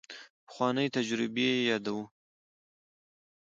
پخوانۍ تجربې چې یادوو.